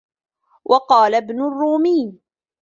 وَقَالَ ابْنُ الرُّومِيِّ